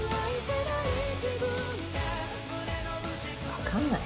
わかんない。